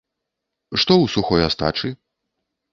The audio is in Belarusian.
Што у сухой астачы?